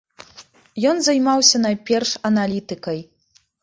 Ён займаўся найперш аналітыкай.